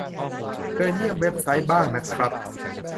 เชิญเยี่ยมชมเว็บไซต์ บ้างนะครับ